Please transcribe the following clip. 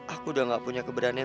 aku udah gak punya keberanian